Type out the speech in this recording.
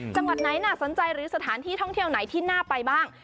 จังหวัดไหนน่าสนใจหรือสถานที่ท่องเที่ยวไหนที่น่าไปบ้าง